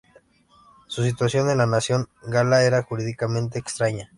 Su situación en la nación gala era jurídicamente extraña.